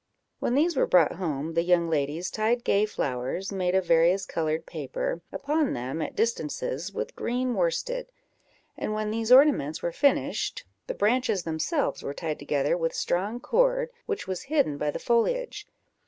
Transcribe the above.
When these were brought home, the young ladies tied gay flowers, made of various coloured paper, upon them, at distances, with green worsted; and when these ornaments were finished, the branches themselves were tied together with strong cord, which was hidden by the foliage.